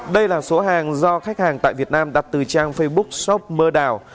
đây là số hàng do khách hàng tại việt nam đặt từ trang facebook shop mơ đào